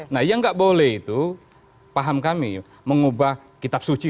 nah yang nggak boleh itu paham kami mengubah kitab suci